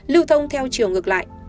lưu thông theo chiều ngược lại